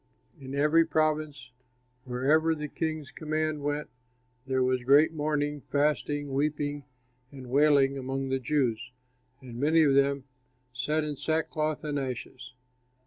In every province, wherever the king's command went, there was great mourning, fasting, weeping, and wailing among the Jews; and many of them sat in sackcloth and ashes.